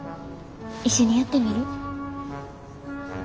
一緒にやってみる？